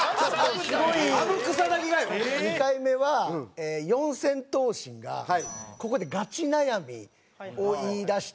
２回目は四千頭身がここでガチ悩みを言いだして。